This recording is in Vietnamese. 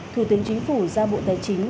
thủ tướng chính phủ ra bộ tài chính